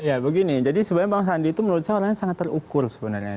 ya begini jadi sebenarnya bang sandi itu menurut saya orangnya sangat terukur sebenarnya